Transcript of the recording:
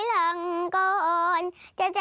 อย่างไรอย่างไรขอให้ทำ